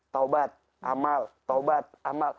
taubat amal taubat amal